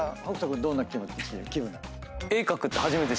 どんな気分なの？